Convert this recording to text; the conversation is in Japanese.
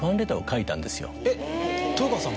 えっ豊川さんが？